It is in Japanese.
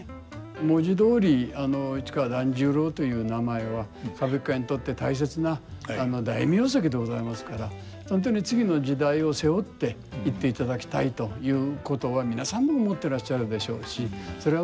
文字どおり市川團十郎という名前は歌舞伎界にとって大切な大名跡でございますから本当に次の時代を背負っていっていただきたいということは皆さんも思ってらっしゃるでしょうしそれはもう間違いないと思います。